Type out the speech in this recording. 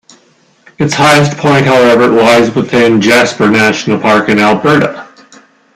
Its highest point, however, lies within Jasper National Park in Alberta.